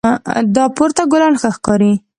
دا پورته ګلان ښه ښکاري